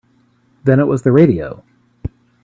Then it was the radio.